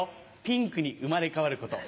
ピンクに生まれ変わること。